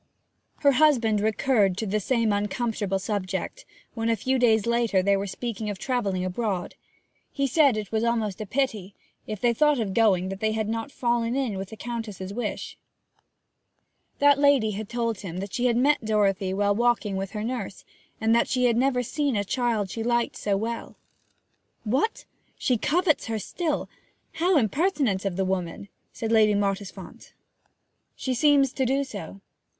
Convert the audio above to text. Her husband recurred to the same uncomfortable subject when, a few days later, they were speaking of travelling abroad. He said that it was almost a pity, if they thought of going, that they had not fallen in with the Countess's wish. That lady had told him that she had met Dorothy walking with her nurse, and that she had never seen a child she liked so well. 'What she covets her still? How impertinent of the woman!' said Lady Mottisfont. 'She seems to do so ..